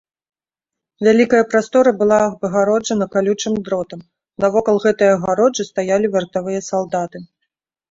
Вялікая прастора была абгароджана калючым дротам, навокал гэтай агароджы стаялі вартавыя салдаты.